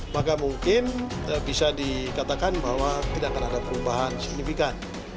maka mungkin bisa dikatakan bahwa tidak akan ada perubahan signifikan